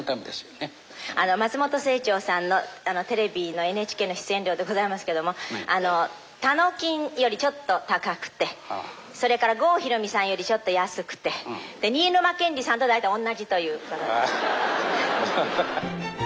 松本清張さんのテレビのＮＨＫの出演料でございますけどもたのきんよりちょっと高くてそれから郷ひろみさんよりちょっと安くてで新沼謙治さんと大体同じという。